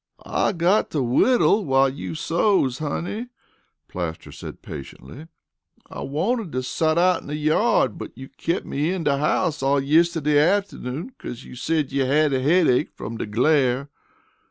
"I got to whittle while you sews, honey," Plaster said patiently. "I wanted to sot out in the yard, but you kep' me in de house all yistiddy afternoon because you said you had de headache from de glare."